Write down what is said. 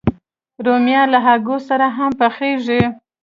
رومیان له هګۍ سره هم پخېږي